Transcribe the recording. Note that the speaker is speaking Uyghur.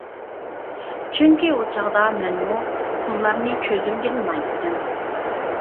چۈنكى ئۇ چاغدا مەنمۇ قۇللارنى كۆزۈمگە ئىلمايتتىم.